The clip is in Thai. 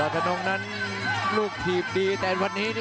ตรงนั้นอุโดบเล็กเจิเง่อ